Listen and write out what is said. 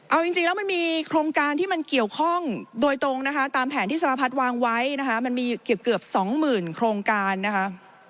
เอาจริงแล้วมันมีโครงการที่มันเกี่ยวข้องโดยตรงนะคะตามแผนที่สมาพัฒน์วางไว้นะคะมันมีเกือบสองหมื่นโครงการนะคะ